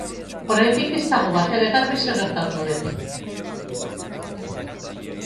Oraindik ez dago batere garbi zer gertatu den.